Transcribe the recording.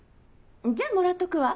じゃあもらっとくわ。